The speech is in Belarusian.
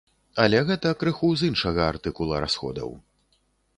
Але гэта крыху з іншага артыкула расходаў.